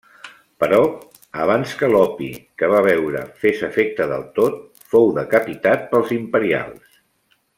Però, abans que l'opi que va beure fes efecte del tot, fou decapitat pels imperials.